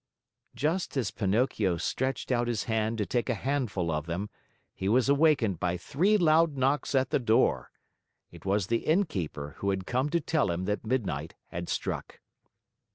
Just as Pinocchio stretched out his hand to take a handful of them, he was awakened by three loud knocks at the door. It was the Innkeeper who had come to tell him that midnight had struck.